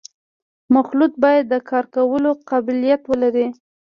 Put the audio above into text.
مخلوط باید د کار کولو قابلیت ولري